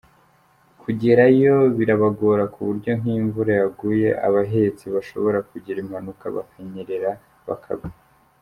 Kugerayo birabagora ku buryo nk’iyo imvura yaguye abahetse bashohora kugira impanuka bakanyerera bakagwa.